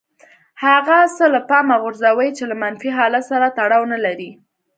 هغه څه له پامه غورځوي چې له منفي حالت سره تړاو نه لري.